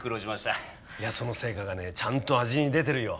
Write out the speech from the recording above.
その成果がねちゃんと味に出てるよ。